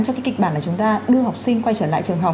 cho cái kịch bản là chúng ta đưa học sinh quay trở lại trường học